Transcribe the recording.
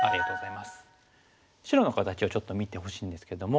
白の形をちょっと見てほしいんですけども。